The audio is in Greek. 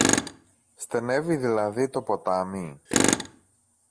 Στενεύει δηλαδή το ποτάμι;